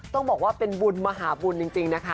ต้องบอกว่าเป็นบุญมหาบุญจริงนะคะ